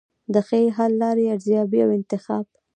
د ښې حل لارې ارزیابي او انتخاب.